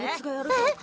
えっ！